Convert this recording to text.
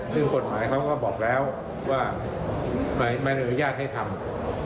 ซึ่งกฎหมายเขาก็บอกแล้วว่าไม่อนุญาตให้ทำ